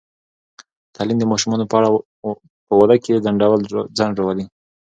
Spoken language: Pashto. تعلیم د ماشومانو په واده کې ځنډ راولي.